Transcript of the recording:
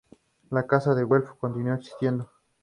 Ha trabajado extensamente en "Aráceas y Pteridofitas" de Bolivia.